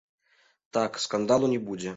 Так, скандалу не будзе.